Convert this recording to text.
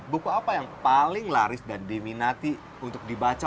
buku apa yang paling laris dan diminati untuk dibaca